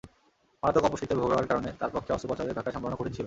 মারাত্মক অপুষ্টিতে ভোগার কারণে তাঁর পক্ষে অস্ত্রোপচারের ধাক্কা সামলানো কঠিন ছিল।